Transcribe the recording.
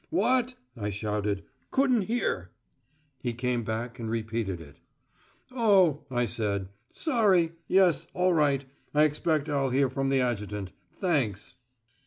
"What?" I shouted. "Couldn't hear." He came back and repeated it. "Oh," I said. "Sorry. Yes, all right. I expect I'll hear from the Adjutant. Thanks."